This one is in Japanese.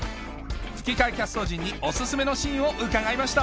吹き替えキャスト陣にオススメのシーンを伺いました